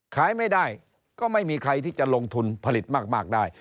ขายไม่ได้ก็ไม่มีใครที่จะลงทุนผลิตมากได้